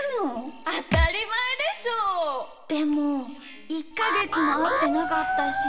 でもいっかげつもあってなかったし。